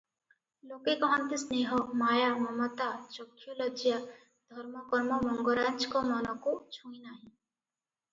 ଲୋକେ କହନ୍ତି ସ୍ନେହ, ମାୟା, ମମତା, ଚକ୍ଷୁଲଜ୍ଜା, ଧର୍ମକର୍ମ ମଙ୍ଗରାଜଙ୍କ ମନକୁ ଛୁଇଁନାହିଁ ।